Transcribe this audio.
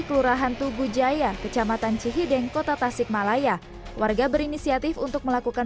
kelurahan tugu jaya kecamatan cihideng kota tasikmalaya warga berinisiatif untuk melakukan